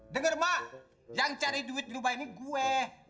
dengar mak yang cari duit di rumah ini gue